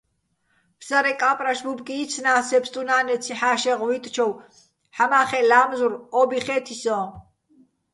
ფსარე კა́პრაშ ბუბკი იცნა́ს სე ბსტუნა́ნეცი ჰ̦ა́შეღ ვუ́ჲტჩოვ, ჰ̦ამა́ხეჸ ლა́მზურ ო́ბი ხე́თი სოჼ.